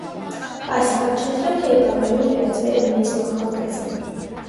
Այս առաջադրանքը հետագայում վերածվել է մեծ նախագծի։